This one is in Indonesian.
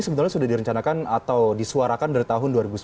sebetulnya sudah direncanakan atau disuarakan dari tahun dua ribu sembilan belas